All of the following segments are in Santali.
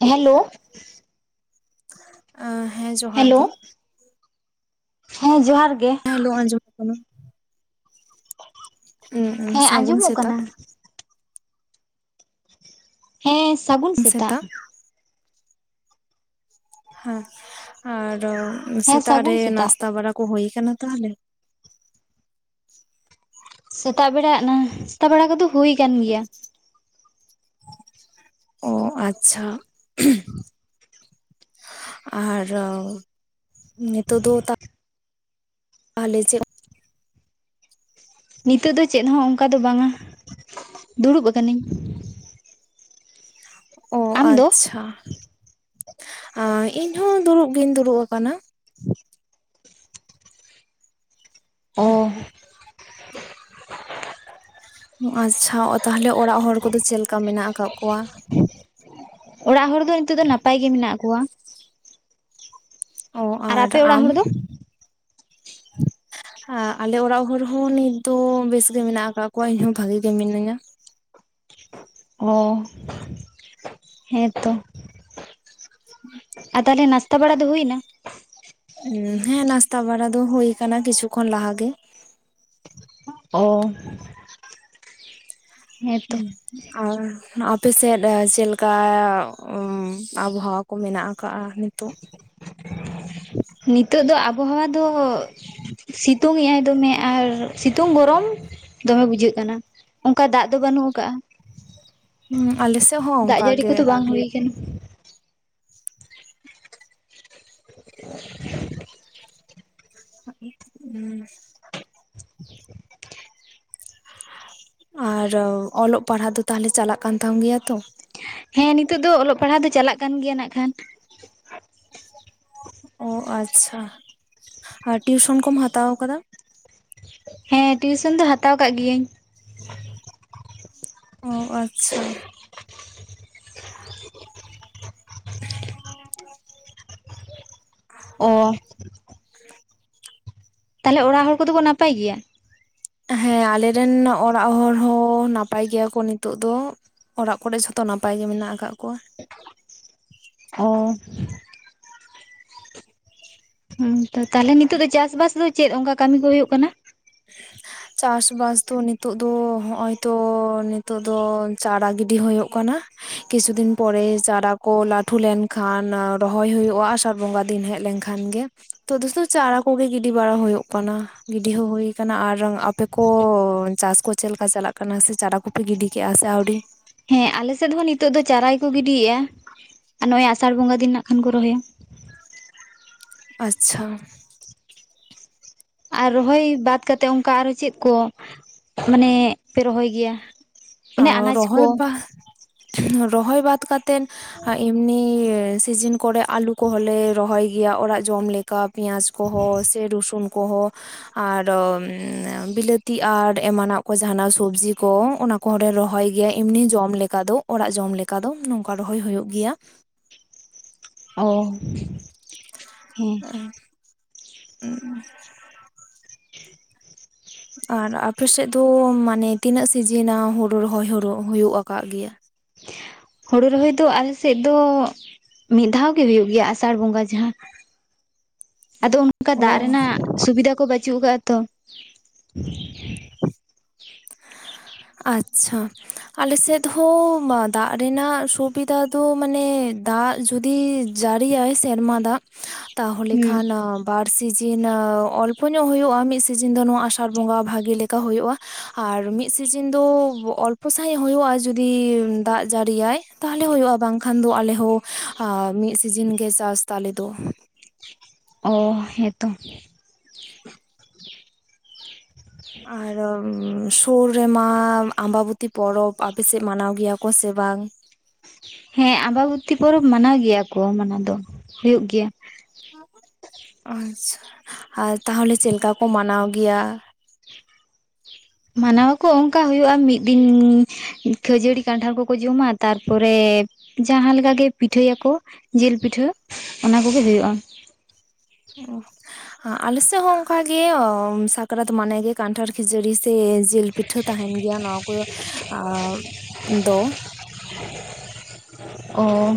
ᱦᱮᱞᱳ ᱦᱮᱸ ᱡᱚᱦᱟᱨ ᱦᱮᱞᱳ ᱜᱮ ᱾ ᱦᱮᱸ ᱡᱚᱦᱟᱨ ᱜᱮ ᱾ ᱦᱮᱞᱳ ᱟᱸᱡᱚᱢᱚᱜ ᱠᱟᱱᱟ ᱾ ᱩᱸ ᱩᱸ ᱦᱮᱸ ᱥᱟᱹᱜᱩᱱ ᱟᱸᱡᱚᱢᱚᱜ ᱠᱟᱱᱟ ᱥᱮᱛᱟᱜ᱾ ᱦᱮᱸ ᱥᱟᱹᱜᱩᱱ ᱥᱮᱛᱟᱜ ᱾ ᱦᱮᱸ ᱟᱨ ᱦᱮᱸ ᱥᱮᱛᱟᱜ ᱨᱮ ᱥᱟᱹᱜᱩᱱ ᱥᱮᱛᱟᱜ ᱱᱟᱥᱛᱟ ᱵᱟᱲᱟ ᱠᱚ ᱦᱳᱭ ᱠᱟᱱᱟ ᱛᱟᱦᱚᱞᱮ? ᱥᱮᱛᱟᱜ ᱵᱮᱲᱟ ᱱᱟᱥᱛᱟ ᱵᱮᱲᱟ ᱠᱚᱫᱚ ᱦᱩᱭ ᱠᱟᱱ ᱜᱮᱭᱟ ᱾ ᱚᱸ ᱟᱪᱪᱷᱟ᱾ ᱟᱨ ᱱᱤᱛᱳᱜ ᱫᱚ ᱛᱟ ᱛᱟᱦᱚᱞᱮ ᱪᱮᱫ? ᱱᱤᱛᱚᱜ ᱫᱚ ᱪᱮᱫ ᱦᱚᱸ ᱚᱱᱠᱟ ᱫᱚ ᱵᱟᱝᱼᱟ ᱫᱩᱲᱩᱵ ᱟᱹᱠᱟᱹᱱᱟᱹᱧ᱾ ᱚ ᱟᱢ ᱫᱚ ᱟᱪᱪᱷᱟ ᱤᱧ ᱦᱚᱸ ᱫᱩᱲᱩᱵ ᱜᱤᱧ ᱫᱩᱲᱩᱵ ᱟᱠᱟᱱᱟ᱾ ᱚ ᱟᱪᱪᱷᱟ ᱛᱟᱦᱚᱞᱮ ᱚᱲᱟᱜ ᱦᱚᱲ ᱠᱚᱫᱚ ᱪᱮᱫ ᱞᱮᱠᱟ ᱢᱮᱱᱟᱜ ᱟᱠᱟᱫ ᱠᱚᱣᱟ? ᱚᱲᱟᱜ ᱦᱚᱲ ᱫᱚ ᱱᱤᱛᱚᱜ ᱫᱚ ᱱᱟᱯᱟᱭ ᱜᱮ ᱢᱮᱱᱟᱜ ᱠᱚᱣᱟ ᱾ ᱚ ᱟᱨ ᱟᱯᱮ ᱚᱲᱟᱜ ᱟᱢ ᱦᱚᱲ ᱫᱚ ᱟᱞᱮ ᱚᱲᱟᱜ ᱦᱚᱲ ᱦᱚᱸ ᱱᱤᱛ ᱫᱚ ᱵᱮᱥ ᱜᱮ ᱢᱮᱱᱟᱜ ᱟᱠᱟᱫ ᱠᱚᱣᱟ ᱤᱧ ᱦᱚᱸ ᱵᱷᱟᱜᱤ ᱜᱮ ᱢᱤᱱᱟᱹᱧᱟ ᱾ ᱚ ᱦᱮᱸ ᱛᱚ ᱟᱨ ᱛᱟᱦᱚᱞᱮ ᱱᱟᱥᱼᱼ ᱱᱟᱥᱛᱟ ᱵᱟᱲᱟ ᱫᱚ ᱦᱩᱭᱮ ᱮᱱᱟ? ᱦᱮᱸ ᱱᱟᱥᱛᱟ ᱵᱟᱲᱟ ᱫᱚ ᱦᱚᱭ ᱠᱟᱱᱟ ᱠᱤᱪᱷᱩᱠ ᱠᱷᱚᱱ ᱞᱟᱦᱟ ᱜᱮ ᱾ [unintelligible] ᱦᱮᱸᱛᱚ ᱦᱮᱸ ᱟᱨ ᱟᱯ ᱥᱮᱫ ᱪᱮᱫ ᱞᱮᱠᱟ ᱟᱵᱚᱦᱟᱣᱟ? ᱠᱚ ᱢᱮᱱᱟᱜ ᱟᱠᱟᱜᱼᱟ ᱱᱤᱛᱚᱜ ᱾ ᱱᱤᱛᱚᱜ ᱫᱚ ᱟᱵᱚᱦᱟᱣᱟ ᱫᱚ ᱥᱤᱛᱩᱝ ᱮ ᱟᱭ ᱫᱚᱢᱮ ᱾ ᱟᱨ ᱥᱤᱛᱩᱝ ᱜᱚᱨᱚᱢ ᱫᱚᱢᱮ ᱵᱩᱡᱷᱟᱹᱜ ᱠᱟᱱᱟ ᱚᱱᱠᱟ ᱫᱟᱜ ᱫᱚ ᱵᱟᱹᱱᱩᱜ ᱟᱠᱟᱜᱼᱟ ᱾ ᱦᱩᱸ ᱟᱞᱮ ᱥᱮᱫ ᱦᱚᱸ ᱫᱟᱜ ᱚᱱᱠᱟ ᱡᱟᱹᱲᱤ ᱜᱮ ᱠᱚᱫᱚ ᱾ ᱵᱟᱝ ᱦᱩᱭ ᱠᱟᱱᱟ ᱾ [inaudible] ᱟᱨ ᱚᱞᱚᱜ ᱯᱟᱲᱦᱟᱜ ᱫᱚ ᱛᱟᱦᱞᱮ ᱪᱟᱞᱟᱜ ᱠᱟᱱ ᱛᱟᱢ ᱜᱮᱭᱟ ᱛᱚ? ᱦᱮᱸ ᱱᱤᱛᱚᱜ ᱫᱚ ᱚᱞᱚᱜ ᱯᱟᱲᱦᱟᱜ ᱫᱚ ᱪᱟᱞᱟᱜ ᱠᱟᱱ ᱜᱮᱭᱟ ᱱᱟᱜ ᱠᱷᱟᱱ ᱾ ᱚ ᱟᱪᱪᱷᱟ ᱟᱨ ᱴᱤᱭᱩᱥᱚᱱ ᱠᱚᱢ ᱦᱟᱛᱟᱣ ᱟᱠᱟᱫᱟ? ᱦᱮᱸ ᱴᱤᱭᱩᱥᱮᱱ ᱫᱚ ᱦᱟᱛᱟᱣ ᱟᱠᱟᱜ ᱜᱤᱭᱟᱹᱧ ᱾ ᱚ ᱟᱪᱪᱷᱟ ᱾ [inaudible] ᱚᱻ ᱛᱟᱦᱚᱞᱮ ᱚᱲᱟᱜ ᱦᱚᱲ ᱠᱚᱫᱚ ᱠᱚ ᱱᱟᱯᱟᱭ ᱜᱮᱭᱟ? ᱦᱮᱸ ᱟᱞᱮ ᱨᱮᱱ ᱚᱲᱟᱜ ᱦᱚᱲ ᱦᱚᱸ ᱱᱟᱯᱟᱭ ᱜᱮᱭᱟ ᱠᱚ ᱱᱤᱛᱚᱜ ᱫᱚ ᱾ ᱚᱲᱟᱜ ᱠᱚᱨᱮ ᱡᱷᱚᱛᱚ ᱱᱟᱯᱟᱭ ᱜᱮ ᱢᱮᱱᱟᱜ ᱟᱠᱟᱫ ᱠᱚᱣᱟ? ᱠᱚ ᱦᱩᱸ ᱛᱟᱦᱚᱞᱮ ᱱᱤᱛᱚᱜ ᱫᱚ ᱪᱟᱥ ᱵᱟᱥ ᱫᱚ ᱪᱮᱫ ᱚᱱᱠᱟ ᱠᱟᱹᱢᱤ ᱠᱚ ᱦᱩᱭᱩᱜ ᱠᱟᱱᱟ? [inaudible] ᱪᱟᱥ ᱵᱟᱥ ᱫᱚ ᱱᱤᱛᱚᱜ ᱫᱚ ᱦᱚᱜᱚᱭ ᱛᱚ ᱱᱤᱛᱚᱜ ᱫᱚ ᱪᱟᱨᱟ ᱜᱤᱰᱤ ᱦᱩᱭᱩᱜ ᱠᱟᱱᱟ ᱾ ᱠᱤᱪᱷᱩ ᱫᱤᱱ ᱯᱚᱨᱮ ᱪᱟᱨᱟ ᱠᱚ ᱞᱟᱹᱴᱩ ᱞᱮᱱ ᱠᱷᱟᱱ ᱨᱚᱦᱚᱭ ᱦᱩᱭᱩᱜᱼᱟ, ᱟᱥᱟᱲ ᱵᱚᱸᱜᱟ ᱫᱤᱱ ᱦᱮᱡ ᱞᱮᱱᱠᱷᱟᱱ ᱾ ᱠᱷᱟᱱ ᱜᱮ ᱛᱚ ᱫᱚᱮᱥᱛᱚ ᱪᱟᱨᱟ ᱠᱚᱜᱮ ᱜᱤᱰᱤ ᱵᱟᱲᱟ ᱦᱩᱭᱩᱜ ᱠᱟᱱᱟ ᱜᱤᱰᱤ ᱦᱚᱸ ᱦᱚᱭ ᱠᱟᱱᱟ ᱟᱨ ᱟᱯᱮ ᱠᱚ ᱪᱟᱥ ᱠᱚ ᱪᱮᱫ ᱞᱮᱠᱟ ᱪᱟᱞᱟᱜ ᱠᱟᱱᱟ ᱥᱮ ᱪᱟᱨᱟ ᱠᱚᱯᱮ ᱜᱤᱰᱤ ᱠᱮᱫᱟ ᱥᱮ ᱟᱹᱣᱨᱤ? ᱦᱮᱸ ᱟᱞᱮ ᱥᱮᱫ ᱦᱚᱸ ᱱᱤᱛᱚᱜ ᱫᱚ ᱪᱟᱨᱟ ᱠᱚ ᱜᱤᱰᱤᱭᱮᱫᱼᱟ ᱟᱨ ᱱᱚᱜ ᱚᱭ ᱟᱥᱟᱲ ᱵᱚᱸᱜᱟ ᱫᱤᱱ ᱠᱷᱟᱱ ᱠᱚ ᱨᱚᱦᱚᱭᱟ ᱾ ᱟᱪᱪᱷᱟ ᱾ ᱟᱨ ᱨᱚᱦᱚᱭ ᱵᱟᱫ ᱠᱟᱛᱮᱫ ᱚᱱᱠᱟ ᱟᱨᱦᱚ ᱪᱮᱫ ᱠᱚ ᱢᱟᱱᱮ ᱯᱮ ᱨᱚᱦᱚᱭ ᱜᱮᱭᱟ? ᱚᱱᱮ ᱟᱱᱟᱡ ᱨᱚᱦᱚᱭ ᱠᱚ ᱵᱟ ᱨᱚᱦᱚᱭ ᱵᱟᱫ ᱠᱟᱛ ᱛᱮᱱ ᱟᱨ ᱮᱢᱱᱤ ᱥᱤᱡᱤᱱ ᱠᱚᱨᱮ ᱟᱞᱩ ᱠᱚᱦᱚᱸ ᱞᱮ ᱨᱚᱦᱚᱭ ᱜᱮᱭᱟ ᱚᱲᱟᱜ ᱡᱚᱢ ᱞᱟᱹ ᱯᱤᱭᱟᱡ ᱠᱚᱦᱚ ᱥᱮ ᱨᱚᱥᱩᱱ ᱠᱚᱦᱚ ᱟᱨ ᱵᱤᱞᱟᱹᱛᱤ ᱟᱨ ᱮᱢᱟᱱᱟᱜ ᱠᱚ ᱡᱟᱦᱟᱸᱱᱟᱜ ᱥᱚᱵᱡᱤ ᱠᱚ ᱚᱱᱟ ᱠᱚᱨᱮ ᱨᱚᱦᱚᱭ ᱜᱮᱭᱟ ᱮᱢᱱᱤ ᱡᱚᱢ ᱞᱮᱠᱟ ᱫᱚ ᱚᱲᱟᱜ ᱡᱚᱢ ᱞᱮᱠᱟ ᱫᱚ ᱱᱚᱝᱠᱟ ᱨᱚᱦᱚᱭ ᱦᱳᱭᱳᱜ ᱜᱮᱭᱟ᱾ ᱚᱻ ᱩᱸᱻ ᱩᱸᱻ [unintelligible] ᱟᱨ ᱟᱯᱮᱥᱮᱫ ᱫᱚ ᱢᱟᱱᱮ ᱛᱤᱱᱟᱹᱜ ᱥᱤᱡᱤᱱᱟ ᱦᱳᱲᱳ ᱨᱚᱦᱚᱭ ᱦᱳᱲᱳ ᱦᱩᱭᱩᱜ ᱟᱠᱟᱫ ᱜᱮᱭᱟ? ᱦᱳᱲᱳ ᱨᱚᱦᱚᱭ ᱫᱚ ᱟᱞᱮ ᱥᱮᱫ ᱫᱚ ᱢᱤᱫ ᱫᱷᱟᱣ ᱜᱮ ᱦᱳᱭᱳᱜ ᱜᱮᱭᱟ ᱟᱥᱟᱲ ᱵᱚᱸᱜᱟ ᱡᱟᱦᱟᱸ ᱟᱫᱚ ᱚᱱᱠᱟ ᱚ ᱫᱟᱜ ᱨᱮᱱᱟᱜ ᱥᱩᱵᱤᱫᱷᱟ ᱠᱚ ᱵᱟᱹᱪᱩᱜ ᱠᱟᱜᱼᱟ ᱛᱚ᱾ ᱟᱪᱼᱪᱷᱟ ᱾ ᱟᱞᱮᱥᱮᱫ ᱦᱚᱸ ᱫᱟᱜ ᱨᱮᱱᱟᱜ ᱥᱩᱵᱤᱫᱟ ᱫᱚ ᱢᱟᱱᱮ ᱫᱟᱜ ᱡᱩᱫᱤ ᱡᱟᱹᱨᱤᱭᱟᱭ ᱥᱮᱨᱢᱟ ᱫᱟᱜ ᱛᱟᱦᱚᱞᱮ ᱦᱩᱸ ᱠᱷᱟᱱ ᱵᱟᱨ ᱥᱤᱡᱤᱱ ᱚᱞᱯᱚ ᱧᱚᱜ ᱦᱩᱭᱩᱜᱼᱟ ᱢᱤᱫ ᱥᱤᱡᱤᱱ ᱫᱚ ᱱᱚᱣᱟ ᱟᱥᱟᱲ ᱵᱚᱸᱜᱟ ᱵᱷᱟᱜᱤ ᱞᱮᱠᱟ ᱚᱱᱠᱟ ᱦᱩᱭᱩᱜᱼᱟ ᱟᱨ ᱢᱤᱫ ᱥᱤᱡᱤᱱ ᱫᱚ ᱚᱞᱯᱚ ᱥᱟᱹᱦᱤᱡ ᱦᱳᱭᱳᱼᱟ ᱡᱩᱫᱤ ᱫᱟᱜ ᱡᱟᱹᱲᱤᱭᱟᱭ᱾ ᱛᱟᱦᱚᱞᱮ ᱦᱩᱭᱩᱜᱼᱟ ᱵᱟᱝᱠᱷᱟᱱ ᱫᱚ ᱟᱞᱮᱦᱚ ᱢᱤᱫ ᱥᱤᱡᱤᱱ ᱜᱮ ᱪᱟᱥ ᱛᱟᱞᱮ ᱫᱚ᱾ ᱚ ᱦᱮᱸ ᱛᱚ ᱾ ᱟᱨᱦᱚᱻ ᱥᱩᱨ ᱨᱮᱢᱟᱻ ᱟᱢᱵᱟᱵᱚᱛᱤ ᱯᱚᱨᱚᱵᱽ ᱟᱯᱮ ᱥᱮᱫ ᱢᱟᱱᱟᱣ ᱜᱮᱭᱟ ᱠᱚ ᱥᱮ ᱵᱟᱝ? ᱦᱮᱸ ᱟᱢᱵᱟᱵᱚᱛᱤ ᱯᱚᱨᱚᱵᱽ ᱢᱟᱱᱟᱣ ᱜᱮᱭᱟ ᱠᱚ ᱢᱟᱱᱟᱣ ᱫᱚ ᱦᱩᱭᱩᱜ ᱜᱮᱭᱟ ᱾ ᱟᱪᱷᱟ ᱟᱨ ᱛᱟᱦᱞᱮ ᱪᱮᱫ ᱞᱮᱠᱟ ᱠᱚ ᱢᱟᱱᱟᱣ ᱜᱮᱭᱟ? ᱢᱟᱱᱟᱣ ᱟᱠᱚ ᱚᱱᱠᱟ ᱦᱩᱭᱩᱜᱼᱟ ᱢᱤᱫ ᱫᱤᱱᱻ ᱠᱷᱟᱹᱡᱟᱹᱲᱤ ᱠᱟᱱᱴᱷᱟᱲ ᱠᱚᱠᱚ ᱡᱚᱢᱟ ᱛᱟᱨᱯᱚᱨᱮ ᱡᱟᱦᱟᱸ ᱞᱮᱠᱟ ᱜᱮ ᱯᱤᱴᱷᱟᱹᱭᱟᱠᱚ ᱾ ᱡᱤᱞ ᱯᱤᱴᱷᱟᱹ ᱚᱱᱟ ᱠᱚᱜᱮ ᱦᱩᱭᱩᱜᱼᱟ ᱾ ᱚᱸᱻ ᱟᱞᱮ ᱥᱮᱫ ᱦᱚᱸ ᱚᱱᱠᱟ ᱜᱮ ᱥᱟᱠᱨᱟᱛ ᱢᱟᱱᱮ ᱜᱮ ᱠᱟᱱᱴᱷᱟᱲ ᱠᱷᱟᱡᱟᱹᱲᱤ ᱥᱮ ᱡᱤᱞ ᱯᱤᱴᱷᱟᱹ ᱾ [unintelligible] ᱛᱟᱦᱮᱱ ᱜᱮᱭᱟ ᱱᱚᱣᱟ ᱠᱚ ᱟᱻ ᱫᱚ ᱾ ᱚᱻ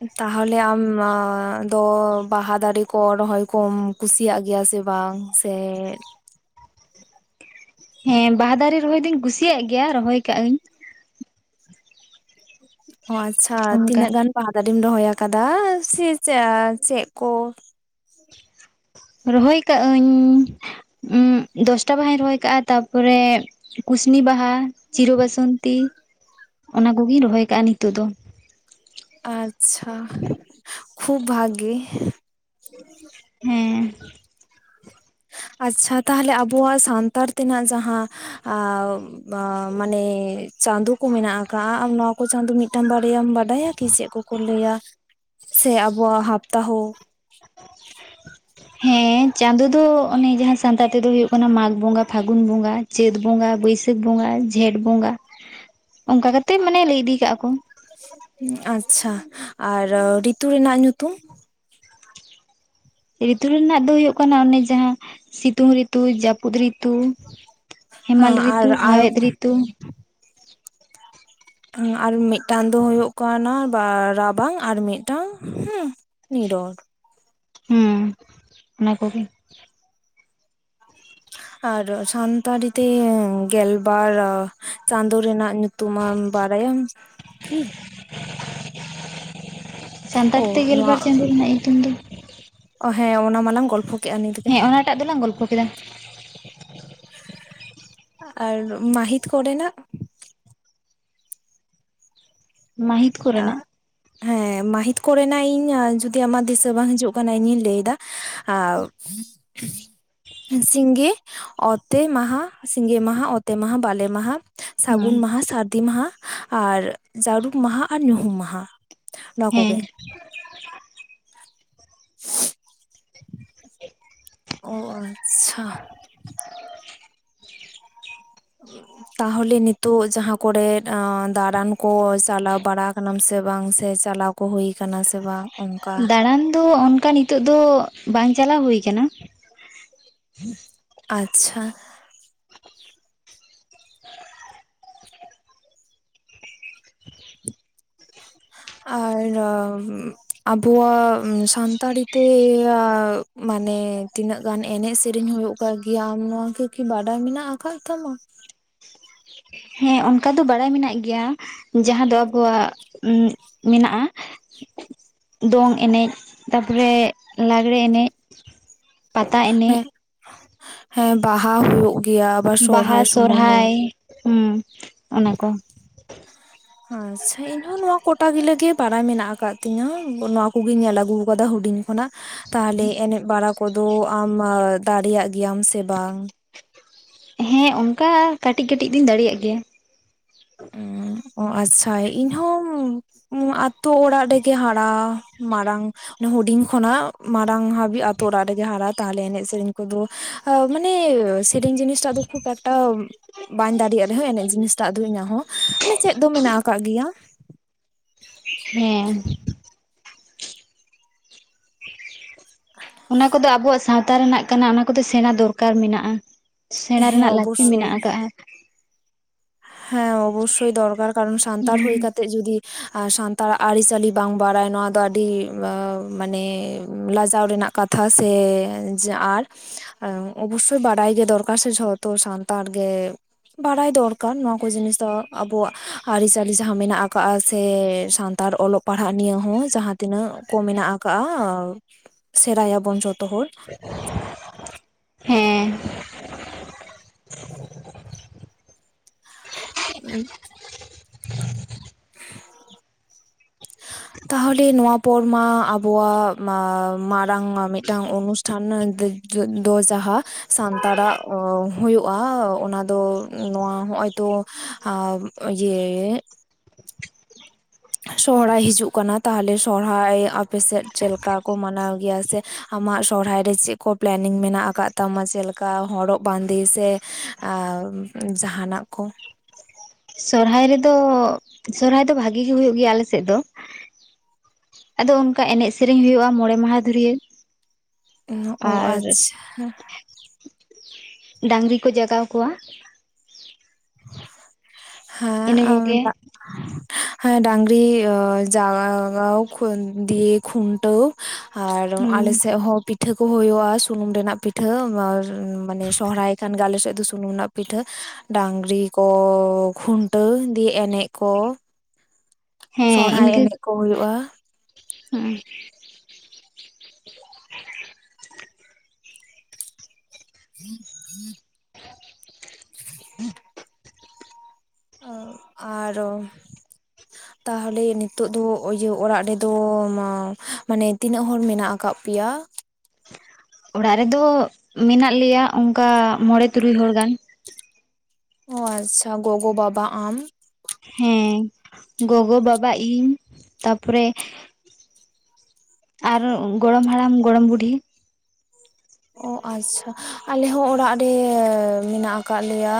[unintelligible] ᱛᱟᱦᱚᱞᱮ ᱟᱢᱻ ᱫᱚ ᱵᱟᱦᱟ ᱫᱟᱨᱮ ᱠᱚ ᱨᱚᱦᱚᱭ ᱠᱚᱢ ᱼᱼ ᱠᱩᱥᱤᱭᱟᱜ ᱜᱮᱭᱟ ᱥᱮ ᱵᱟᱝ ᱥᱮ? ᱦᱮᱸ, ᱵᱟᱦᱟ ᱫᱟᱨᱮ ᱨᱚᱦᱚᱭ ᱫᱩᱧ ᱠᱩᱥᱤᱭᱟᱜ ᱜᱮᱭᱟ ᱨᱚᱦᱚᱭ ᱠᱟᱜ ᱟᱹᱧ ᱾ ᱚ ᱟᱪᱪᱷᱟ ᱚᱱᱠᱟ ᱛᱤᱱᱟᱹᱜ ᱜᱟᱱ ᱵᱟᱦᱟ ᱫᱟᱨᱮᱢ ᱨᱚᱦᱚᱭ ᱠᱟᱫᱟ ᱥᱮ ᱪᱮ ᱪᱮᱫ ᱠᱚ? ᱨᱚᱦᱚᱭ ᱠᱟᱜ ᱟᱹᱧᱻ ᱫᱚᱥᱴᱟ ᱵᱟᱦᱟᱧ ᱨᱚᱦᱚᱭ ᱠᱟᱜᱼᱟ ᱛᱟᱯᱚᱨᱮ ᱠᱩᱥᱱᱤ ᱵᱟᱦᱟ ᱪᱤᱨᱟᱹ ᱵᱟᱹᱥᱼᱼ ᱼᱚᱱᱛᱤ ᱚᱱᱟ ᱠᱚᱜᱤᱧ ᱨᱚᱦᱚᱭ ᱠᱟᱜᱼᱟ ᱱᱤᱛᱚᱜ ᱫᱚ ᱾ ᱟᱪᱪᱷᱟ ᱠᱷᱩᱵ ᱵᱷᱟᱜᱤ ᱾ [unintelligible] ᱦᱮᱸᱻ ᱟᱪᱪᱷᱟ ᱛᱟᱦᱚᱞᱮ ᱟᱵᱚᱣᱟᱜ ᱥᱟᱱᱛᱟᱲ ᱛᱮᱱᱟᱜ ᱡᱟᱦᱟᱸ ᱟᱻ ᱵᱟ ᱢᱟᱱᱮ ᱪᱟᱸᱫᱳ ᱠᱚ ᱢᱮᱱᱟᱜ ᱟᱠᱟᱜᱼᱟ ᱾ ᱟᱢ ᱱᱚᱣᱟ ᱠᱚ ᱪᱟᱸᱫᱚ ᱢᱤᱫᱴᱟᱝ ᱵᱟᱨᱭᱟᱢ ᱵᱟᱰᱟᱭᱟ ᱠᱤ ᱪᱮᱫ ᱠᱚ? ᱠᱚ ᱞᱟᱹᱭᱟ? ᱥᱮ ᱟᱵᱚᱣᱟᱜ ᱦᱟᱯᱛᱟ ᱦᱚᱸ ᱼᱼ [inaudible] ᱦᱮᱸ ᱪᱟᱸᱫᱳ ᱫᱚ ᱚᱱᱮ ᱡᱟᱦᱟᱸ ᱥᱟᱱᱛᱟᱲ ᱛᱮᱫᱚ ᱦᱩᱭᱩᱜ ᱠᱟᱱᱟ ᱢᱟᱜᱽ ᱵᱚᱸᱜᱟ, ᱯᱷᱟᱹᱜᱩᱱ ᱵᱚᱸᱜᱟ ᱾ ᱪᱟᱹᱛ ᱵᱚᱸᱜᱟ, ᱵᱟᱹᱭᱥᱟᱹᱠᱷ ᱵᱚᱸᱜᱟ, ᱡᱷᱮᱸᱴ ᱵᱚᱸᱜᱟ, ᱚᱱᱠᱟ ᱠᱟᱛᱮᱜ ᱢᱟᱱᱮ ᱞᱟᱹᱭ ᱤᱫᱤ ᱠᱟᱜᱼᱟ ᱠᱚ ᱾ ᱟᱪᱪᱷᱟ ᱟᱨ ᱨᱤᱛᱩ ᱨᱮᱱᱟᱜ ᱧᱩᱛᱩᱢ? ᱨᱤᱛᱩ ᱨᱮᱱᱟᱜ ᱫᱚ ᱦᱩᱭᱩᱜ ᱠᱟᱱᱟ ᱚᱱᱮ ᱡᱟᱦᱟᱸ ᱥᱤᱛᱩᱝ ᱨᱤᱛᱩ, ᱡᱟᱹᱯᱩᱫ ᱨᱤᱛᱩ ᱼᱼ ᱦᱮᱢᱟᱞ ᱦᱮᱸ ᱟᱨ ᱨᱤᱛᱩ, ᱟᱨ ᱦᱟᱣᱮᱫ ᱨᱤᱛᱩ, ᱟᱨ ᱢᱤᱫᱴᱟᱝ ᱫᱚ ᱦᱩᱭᱩᱜ ᱠᱟᱱᱟ ᱨᱟᱵᱟᱝ ᱟᱨ ᱢᱤᱫᱴᱟᱝ ᱦᱩᱸ ᱼᱼ ᱱᱤᱨᱚᱲ ᱾ ᱦᱩᱸ ᱚᱱᱟ ᱠᱚᱜᱮ ᱾ ᱟᱨ ᱥᱟᱱᱛᱟᱲᱤ ᱛᱮ ᱜᱮᱞᱵᱟᱨ ᱪᱟᱸᱫᱳ ᱨᱮᱱᱟᱜ ᱧᱩᱼᱼ ᱼᱛᱩᱢᱮᱢ ᱵᱟᱲᱟᱭᱟᱢ ᱠᱤ? ᱚ ᱥᱟᱱᱛᱟᱲᱤ ᱛᱮ ᱜᱮᱞᱵᱟᱨ ᱪᱟᱸᱫᱳ ᱨᱮᱱᱟᱜ ᱧᱩᱛᱩᱢ ᱫᱚ ᱚ ᱦᱮᱸ ᱚᱱᱟ ᱢᱟᱞᱟᱝ ᱜᱚᱞᱯᱷᱚ ᱠᱮᱫᱼᱟ ᱱᱤᱛ ᱜᱮ ᱾ ᱮᱴᱟᱜ ᱫᱚᱞᱟᱝ ᱜᱚᱞᱯᱚ ᱠᱮᱫᱟ ᱾ ᱟᱨ ᱢᱟᱦᱤᱛ ᱠᱚ ᱨᱮᱱᱟᱜ? ᱢᱟᱹᱦᱤᱛ ᱠᱚ ᱨᱮᱱᱟᱜ ᱾ ᱦᱮᱸ ᱢᱟᱹᱦᱤᱛ ᱠᱚ ᱨᱮᱱᱟᱜ ᱤᱧ ᱡᱩᱫᱤ ᱟᱢᱟᱜ ᱫᱤᱥᱟᱹ ᱵᱟᱝ ᱦᱤᱡᱩᱜ ᱠᱟᱱᱟ ᱤᱧᱤᱧ ᱞᱟᱹᱭ ᱫᱟ ᱾ ᱟᱣ ᱾ [unintelligible] ᱥᱤᱸᱜᱮ, ᱚᱛᱮ ᱢᱟᱦᱟ, ᱥᱤᱸᱜᱮ ᱢᱟᱦᱟ, ᱚᱛᱮ ᱢᱟᱦᱟ, ᱵᱟᱞᱮ ᱢᱟᱦᱟ ᱾ ᱥᱟᱹᱜᱩᱱ ᱦᱩᱸ ᱢᱟᱦᱟ, ᱥᱟᱹᱨᱫᱤ ᱢᱟᱦᱟ ᱟᱨ ᱡᱟᱹᱨᱩᱢ ᱢᱟᱦᱟ ᱟᱨ ᱧᱩᱦᱩᱢ ᱢᱟᱦᱟ ᱾ ᱦᱮᱸ ᱾ ᱚ ᱟᱪᱪᱷᱟ ᱾ [unintelligible] [unintelligible] ᱛᱟᱦᱚᱞᱮ ᱱᱤᱛᱚᱜ ᱡᱟᱦᱟᱸ ᱠᱚᱨᱮ ᱫᱟᱬᱟᱱ ᱠᱚ ᱪᱟᱞᱟᱣ ᱵᱟᱲᱟ ᱟᱠᱟᱱᱟᱢ ᱥᱮ ᱵᱟᱝ? ᱥᱮ ᱪᱟᱞᱟᱣ ᱼᱼ ᱠᱚ ᱦᱩᱭ ᱟᱠᱟᱱᱟ ᱥᱮ ᱵᱟᱝ? ᱚᱱᱠᱟ ᱫᱟᱬᱟᱱ ᱫᱚ ᱚᱱᱠᱟ ᱱᱤ ᱛᱳᱜ ᱫᱚ ᱵᱟᱝ ᱪᱟᱞᱟᱣ ᱦᱩᱭ ᱠᱟᱱᱟ᱾ ᱟᱪᱪᱷᱟ᱾ [inaudible] ᱟᱨ ᱟᱵᱚᱣᱟᱜ ᱥᱟᱱᱛᱟᱲᱤ ᱛᱮᱻᱭᱟ, ᱢᱟᱱᱮ ᱛᱤᱱᱟᱹᱜ ᱜᱟᱱ ᱮᱱᱮᱡ ᱥᱮᱨᱮᱧ ᱦᱩᱭᱩᱜ ᱠᱟᱜ ᱜᱮᱭᱟ, ᱟᱢ ᱱᱚᱣᱟ ᱠᱚ ᱠᱤ ᱵᱟᱰᱟᱭ ᱢᱮᱱᱟᱜ ᱟᱠᱟᱫ ᱛᱟᱢᱟ? ᱦᱮᱸ ᱚᱱᱠᱟ ᱫᱚ ᱵᱟᱲᱟᱭ ᱢᱮᱱᱟᱜ ᱜᱮᱭᱟ᱾ ᱡᱟᱦᱟᱸ ᱫᱚ ᱟᱵᱚᱣᱟᱜ ᱢᱮᱱᱟᱜᱼᱟ᱾ ᱫᱚᱝ ᱮᱱᱮᱡ ᱛᱟᱯᱚᱨᱮ ᱞᱟᱜᱽᱲᱮ ᱮᱱᱮᱡ, ᱯᱟᱛᱟ ᱮᱱᱮᱡ ᱦᱮᱸ, ᱦᱮᱸ ᱵᱟᱦᱟ ᱦᱩᱭᱩᱜ ᱜᱮᱭᱟ ᱟᱵᱟᱨ ᱵᱟᱦᱟ, ᱥᱚᱨᱦᱟᱭ ᱥᱚᱢᱚᱭ ᱦᱚᱸ ᱥᱚᱨᱦᱟᱭ ᱦᱩᱸ ᱚᱱᱟᱠᱚ [inaudible] ᱟᱪᱪᱷᱟ, ᱤᱧ ᱦᱚᱸ ᱱᱚᱣᱟ ᱠᱚᱴᱟ ᱜᱤᱞᱟᱹᱜ ᱜᱮ ᱵᱟᱲᱟᱭ ᱢᱮᱱᱟᱜ ᱟᱠᱟᱫ ᱛᱤᱧᱟᱹ, ᱱᱚᱣᱟ ᱠᱚᱜᱤᱧ ᱧᱮᱞ ᱟᱹᱜᱩ ᱟᱠᱟᱫᱟ ᱦᱩᱰᱤᱧ ᱠᱷᱚᱱᱟᱜ, ᱛᱟᱦᱚᱞᱮ ᱮᱱᱮᱡ ᱵᱟᱲᱟ ᱠᱚᱫᱚ ᱟᱢ ᱫᱟᱲᱮᱭᱟᱜ ᱜᱮᱭᱟᱢ ᱥᱮ ᱵᱟᱝ? ᱦᱮᱸ ᱚᱱᱠᱟ ᱠᱟᱹᱴᱤᱡ ᱠᱟᱹᱴᱤᱡ ᱫᱚᱧ ᱫᱟᱲᱮᱭᱟᱜ ᱜᱮᱭᱟ᱾ ᱚ ᱟᱪᱪᱷᱟ᱾ ᱤᱧᱦᱚᱸ ᱟᱛᱳ ᱚᱲᱟᱜ ᱨᱮᱜᱮ ᱦᱟᱨᱟ ᱢᱟᱨᱟᱝ ᱚᱱᱮ ᱦᱩᱰᱤᱧ ᱠᱷᱚᱱᱟᱜ ᱢᱟᱨᱟᱝ ᱦᱟᱹᱵᱤᱡ ᱟᱛᱳ ᱚᱲᱟᱜ ᱨᱮᱜᱮ ᱦᱟᱨᱟ, ᱛᱟᱦᱞᱮ ᱮᱱᱮᱡ ᱥᱮᱨᱮᱧ ᱠᱚᱫᱚ ᱢᱟᱱᱮ ᱥᱮᱨᱮᱧ ᱡᱤᱱᱤᱥᱴᱟᱜ ᱫᱚ ᱠᱷᱩᱵ ᱮᱠᱴᱟ ᱵᱟᱹᱧ ᱫᱟᱲᱮᱭᱟᱜ ᱨᱮᱦᱚᱸ ᱮᱱᱮᱡ ᱡᱤᱱᱤᱥᱴᱟᱜ ᱫᱚ ᱤᱧᱟᱹᱜ ᱦᱚᱸ ᱢᱟᱱᱮ ᱪᱮᱫ ᱫᱚ ᱢᱮᱱᱟᱜ ᱟᱠᱟᱜ ᱜᱮᱭᱟ᱾ [inaudible] ᱦᱮᱸ [unintelligible] ᱚᱱᱟ ᱠᱚᱫᱚ ᱟᱵᱚᱣᱟᱜ ᱥᱟᱶᱛᱟ ᱨᱮᱱᱟᱜ ᱠᱟᱱᱟ, ᱚᱱᱟ ᱠᱚᱫᱚ ᱥᱮᱬᱟ ᱫᱚᱨᱠᱟᱨ ᱢᱮᱱᱟᱜᱼᱟ᱾ ᱥᱮᱬᱟ ᱦᱮᱸ ᱨᱮᱱᱟᱜ ᱞᱟᱹᱠᱛᱤ ᱚᱵᱚᱥᱥᱳᱭ ᱢᱮᱱᱟᱜ ᱟᱠᱟᱜᱼᱟ᱾ ᱦᱮᱸ ᱚᱵᱚᱥᱥᱳᱭ ᱫᱚᱨᱠᱟᱨ ᱠᱟᱨᱚᱱ ᱥᱟᱱᱛᱟᱲ ᱦᱩᱭ ᱠᱟᱛᱮᱜ ᱡᱩᱫᱤ ᱟᱨ ᱥᱟᱱᱛᱟᱲᱟᱜ ᱟᱹᱨᱤ ᱪᱟᱹᱞᱤ ᱵᱟᱝ ᱵᱟᱲᱟᱭ ᱱᱚᱣᱟ ᱫᱚ ᱟᱹᱰᱤ ᱢᱟᱱᱮ ᱞᱟᱡᱟᱣ ᱨᱮᱱᱟᱜ ᱠᱟᱛᱷᱟ ᱥᱮ ᱡᱟ ᱟᱨ ᱚᱵᱚᱥᱥᱳᱭ ᱵᱟᱰᱟᱭ ᱜᱮ ᱫᱚᱨᱠᱟᱨ ᱥᱮ ᱡᱷᱚᱛᱚ ᱥᱟᱱᱛᱟᱲ ᱜᱮ ᱵᱟᱰᱟᱭ ᱫᱚᱨ ᱠᱟᱱ, ᱱᱚᱣᱟ ᱠᱚ ᱡᱤᱱᱤᱥ ᱫᱚ ᱟᱵᱚᱣᱟᱜ ᱟᱹᱨᱤ ᱪᱟᱹᱞᱤ ᱡᱟᱦᱟᱸ ᱢᱮᱱᱟᱜ ᱟᱠᱟᱜ-ᱟ ᱥᱮ ᱥᱟᱱᱛᱟᱲ ᱚᱞᱚᱜ ᱯᱟᱲᱦᱟᱜ ᱱᱤᱭᱮ ᱦᱚᱸ ᱡᱟᱦᱟᱸ ᱛᱤᱱᱟᱹᱜ ᱠᱚ ᱢᱮᱱᱟᱜ ᱟᱠᱟᱜᱼᱟ ᱥᱮᱨᱟᱭᱟᱵᱚᱱ ᱡᱷᱚᱛᱚ ᱦᱚᱲ᱾ [inaudible] ᱦᱮᱸ [unintelligible] [unintelligible] ᱛᱟᱦᱚᱞᱮ, ᱱᱚᱣᱟ ᱯᱚᱨ ᱢᱟ ᱟᱵᱚᱣᱟᱜ ᱢᱟᱨᱟᱝ ᱢᱤᱫᱴᱟᱝ ᱚᱱᱩᱥ ᱴᱷᱟᱱ ᱫᱚ ᱡᱟᱦᱟᱸ ᱥᱟᱱᱛᱟᱲᱟᱜ ᱦᱩᱭᱩᱜᱼᱟ ᱚᱱᱟ ᱫᱚ ᱱᱚᱣᱟ ᱦᱚᱸᱜᱼᱚᱭ ᱛᱚ ᱤᱭᱟᱹ ᱥᱚᱦᱚᱨᱟᱭ ᱦᱤᱡᱩᱜ ᱠᱟᱱᱟ᱾ ᱛᱟᱦᱚᱞᱮ ᱥᱚᱨᱦᱟᱭ ᱟᱯᱮ ᱥᱮᱫ ᱪᱮᱫ ᱞᱮᱠᱟ ᱠᱚ ᱢᱟᱱᱟᱣ ᱜᱮᱭᱟ ᱥᱮ ᱟᱢᱟᱜ ᱥᱚᱦᱨᱟᱭ ᱨᱮ ᱪᱮᱫ ᱠᱚ ᱯᱞᱮᱱᱤᱝ ᱢᱮᱱᱟᱜ ᱟᱠᱟᱜ ᱛᱟᱢᱟ? ᱡᱮᱞᱮᱠᱟ ᱦᱚᱨᱚᱜ ᱵᱟᱸᱫᱤ ᱥᱮ [unintelligible] ᱡᱟᱦᱟᱱᱟᱜ ᱠᱚ᱾ ᱥᱚᱨᱦᱟᱭ ᱨᱮᱫᱚ, ᱥᱚᱨᱦᱟᱭ ᱫᱚ ᱵᱷᱟᱹᱜᱤ ᱜᱤ ᱦᱩᱭᱩᱜ ᱜᱮᱭᱟ ᱟᱞᱮ ᱥᱮᱫ ᱫᱚ ᱟᱫᱚ ᱚᱱᱠᱟ ᱮᱱᱮᱡ ᱥᱮᱨᱮᱧ ᱦᱩᱭᱩᱜᱼᱟ, ᱢᱚᱬᱮ ᱢᱟᱦᱟ ᱫᱷᱩᱨᱤᱭᱟᱹ ᱚᱱᱟ, ᱚ ᱟᱪᱪᱷᱟ᱾ ᱰᱟᱝᱨᱤ ᱠᱚ ᱡᱟᱜᱟᱣ ᱠᱚᱣᱟ, ᱤᱱᱟᱹ ᱦᱮᱸ ᱠᱚᱜᱮ [unintelligible] ᱦᱮᱸ ᱰᱟᱝᱨᱤ ᱡᱟᱜᱟᱣ ᱫᱤᱭᱮ ᱠᱷᱩᱱᱴᱟᱹᱣ, ᱟᱨ ᱟᱞᱮ ᱦᱩᱸ ᱥᱮᱫ ᱦᱚᱸ ᱯᱤ ᱴᱷᱟᱹ ᱠᱚ ᱦᱩᱭᱩᱜᱼ᱾ ᱥᱩᱱᱩᱢ ᱨᱮᱱᱟᱜ ᱯᱤᱴᱷᱟᱹ ᱟᱨ ᱢᱟᱱᱮ ᱥᱚᱦᱨᱟᱭ ᱠᱷᱟᱱ ᱜᱮ ᱟᱞᱮ ᱥᱮᱫ ᱫᱚ ᱥᱩᱱᱩᱢ ᱨᱮᱱᱟᱜ ᱯᱤᱴᱷᱟᱹ ᱰᱟᱝᱨᱤ ᱠᱚ ᱠᱷᱩᱱᱴᱟᱹᱣ, ᱫᱤᱭᱮ ᱮᱱᱮᱡ ᱠᱚ ᱥᱚᱦᱨᱟᱭ ᱤᱱᱠᱟᱹ ᱮᱱᱮᱡ ᱠᱚ ᱦᱩᱭᱩᱜᱼᱟ ᱾ ᱦᱮᱸ [inaudible] [unintelligible] [unintelligible] ᱚ ᱟᱨᱚ ᱛᱟᱦᱚᱞᱮ ᱱᱤᱛᱚᱜ ᱫᱚ ᱚ ᱤᱭᱟᱹ ᱚᱲᱟᱜ ᱨᱮᱫᱚ ᱢᱟ ᱢᱟᱱᱮ ᱛᱤᱱᱟᱹᱜ ᱦᱚᱲ ᱢᱮᱱᱟᱜ ᱟᱠᱟᱜ ᱯᱮᱭᱟ ᱚᱲᱟᱜ ᱨᱮᱫᱚ ᱢᱮᱱᱟᱜ ᱞᱮᱭᱟ ᱚᱝᱠᱟ ᱢᱚᱬᱮ ᱛᱩᱨᱩᱭ ᱦᱚᱲ ᱜᱟᱱ ᱚ ᱟᱪᱪᱷᱟ ᱜᱚᱜᱚ ᱵᱟᱵᱟ ᱟᱢ ᱦᱮᱸ ᱜᱚᱜᱚ ᱵᱟᱵᱟ ᱤᱧ ᱛᱟᱯᱚᱨᱮ ᱟᱨᱚ ᱜᱚᱲᱚᱢ ᱦᱟᱲᱟᱢ ᱜᱚᱲᱚᱢ ᱵᱩᱰᱷᱤ ᱚ ᱟᱪᱪᱷᱟ ᱟᱞᱮ ᱦᱚᱸ ᱚᱲᱟᱜ ᱨᱮ ᱢᱮᱱᱟᱜ ᱠᱟᱜ ᱞᱮᱭᱟ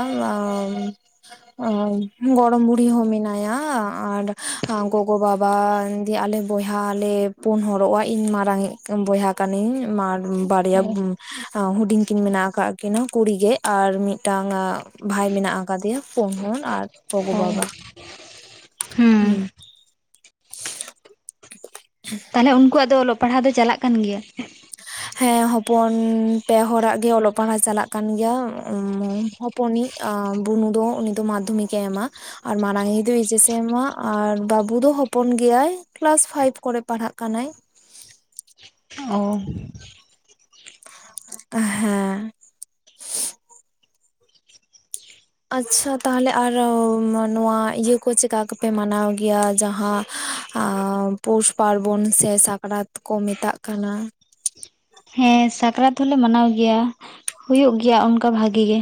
ᱚ ᱜᱚᱲᱚᱢ ᱵᱩᱲᱦᱤ ᱦᱚᱸ ᱢᱮᱱᱟᱭᱟ ᱟᱨ ᱜᱚᱜᱚ ᱵᱟᱵᱟ ᱫᱤᱭᱮ ᱟᱞᱮ ᱵᱚᱭᱦᱟ ᱞᱮ ᱯᱩᱱ ᱦᱚᱲᱚᱜᱼᱟ ᱤᱧ ᱢᱟᱨᱟᱝᱤᱡ ᱵᱚᱭᱦᱟ ᱠᱟᱹᱱᱟᱹᱧ ᱟᱨ ᱵᱟᱨᱭᱟ ᱦᱩᱰᱤᱧ ᱠᱤᱱ ᱢᱮᱱᱟᱜ ᱠᱟᱜ ᱠᱤᱱᱟ ᱠᱩᱲᱤ ᱜᱮ ᱟᱨ ᱢᱤᱫᱴᱟᱝ ᱵᱷᱟᱭ ᱢᱮᱱᱟᱜ ᱟᱠᱟᱫᱮᱭᱟ ᱯᱩᱱ ᱦᱚᱲ ᱟᱨ ᱜᱚᱜᱚ ᱵᱟᱵᱟ ᱦᱩᱸ ᱦᱮᱸ ᱛᱟᱦᱞᱮ ᱩᱱᱠᱩᱣᱟᱜ ᱫᱚ ᱚᱞᱚᱜ ᱯᱟᱲᱦᱟᱣ ᱫᱚ ᱪᱟᱞᱟᱜ ᱠᱟᱱ ᱜᱮᱭᱟ ᱦᱮᱸ ᱦᱚᱯᱚᱱ ᱯᱮ ᱦᱚᱲᱟᱜ ᱜᱮ ᱚᱞᱚᱜ ᱯᱟᱲᱦᱟᱣ ᱪᱟᱞᱟᱜ ᱠᱟᱱ ᱜᱮᱭᱟ ᱩᱸ ᱯᱩᱱᱤᱪ ᱵᱩᱱᱩ ᱫᱚ ᱩᱱᱤ ᱫᱚ ᱢᱟᱫᱽᱫᱷᱚᱢᱤᱠᱮ ᱮᱢᱟ ᱟᱨ ᱢᱟᱨᱟᱝᱤᱡ ᱫᱚ ᱮᱭᱤᱪᱮᱥ ᱮ ᱮᱢᱟ ᱟᱨ ᱵᱟᱵᱩ ᱫᱚ ᱦᱚᱯᱚᱱ ᱜᱮᱭᱟᱭ ᱠᱮᱞᱟᱥ ᱯᱷᱟᱭᱤᱵ ᱠᱚᱨᱮ ᱯᱟᱲᱦᱟᱜ ᱠᱟᱱᱟᱭ ᱚᱻ ᱦᱮᱸ ᱟᱪᱪᱷᱟ ᱛᱟᱦᱚᱞᱮ ᱟᱨ ᱱᱚᱣᱟ ᱤᱭᱟᱹ ᱠᱚ ᱪᱮᱠᱟ ᱠᱚᱯᱮ ᱢᱟᱱᱟᱣ ᱜᱮᱭᱟ ᱡᱟᱸᱦᱟ ᱯᱳᱥ ᱯᱟᱨᱵᱚᱱ ᱥᱮ ᱥᱟᱠᱨᱟᱛ ᱠᱚ ᱢᱮᱛᱟᱜ ᱠᱟᱱᱟ ᱦᱮᱸ ᱥᱟᱠᱨᱟᱛ ᱫᱚᱞᱮ ᱢᱟᱱᱟᱣ ᱜᱮᱭᱟ ᱦᱩᱭᱩᱜ ᱜᱮᱭᱟ ᱚᱱᱠᱟ ᱵᱷᱟᱜᱤ ᱜᱮ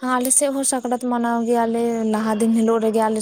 ᱦᱟᱸ ᱟᱞᱮ ᱥᱮᱜ ᱦᱚᱸ ᱥᱟᱠᱨᱟᱛ ᱢᱟᱱᱟᱣ ᱜᱮᱭᱟᱞᱮ ᱞᱟᱦᱟ ᱫᱤᱱ ᱦᱤᱞᱳᱜ ᱨᱮᱜᱮ ᱟᱞᱮ